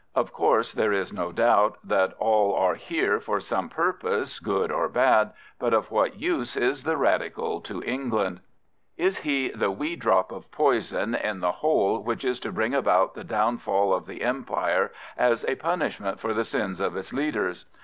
Of course, there is no doubt that all are here for some purpose, good or bad, but of what use is the Radical to England? Is he the wee drop of poison in the whole which is to bring about the downfall of the Empire as a punishment for the sins of its leaders?